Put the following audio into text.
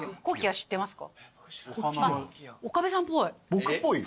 僕っぽい？